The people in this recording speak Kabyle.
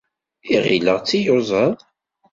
Iɣil-aɣ d tiyuzaḍ.